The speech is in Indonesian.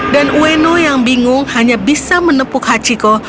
dan ueno yang bingung hanya bisa menepuk hachiko